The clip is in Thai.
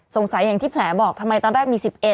อย่างที่แผลบอกทำไมตอนแรกมี๑๑